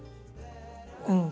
うん。